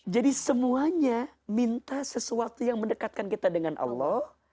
jadi semuanya minta sesuatu yang mendekatkan kita dengan allah